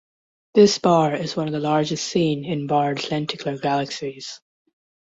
This bar is one of the largest seen in barred lenticular galaxies.